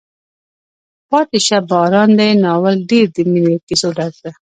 پاتې شه باران دی ناول ډېر د مینې له کیسو ډک ده.